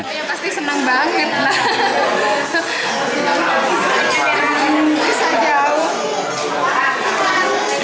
pasti senang banget lah